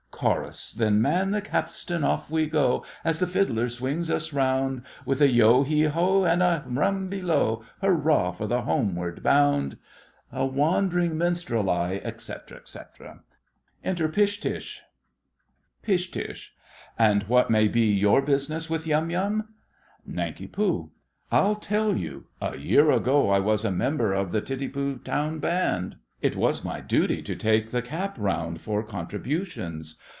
CHORUS. Then man the capstan—off we go, As the fiddler swings us round, With a yeo heave ho, And a rum below, Hurrah for the homeward bound! A wandering minstrel I, etc. Enter Pish Tush. PISH. And what may be your business with Yum Yum? NANK. I'll tell you. A year ago I was a member of the Titipu town band. It was my duty to take the cap round for contributions.